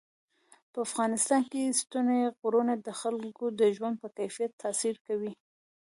په افغانستان کې ستوني غرونه د خلکو د ژوند په کیفیت تاثیر کوي.